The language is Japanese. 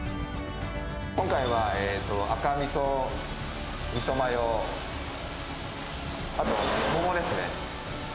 今回は赤みそ、みそマヨ、あと桃ですね。